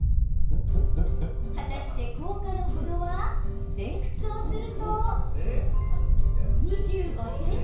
果たして、効果の程は？前屈をすると、２５ｃｍ。